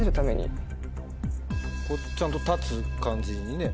ちゃんと立つ感じにね。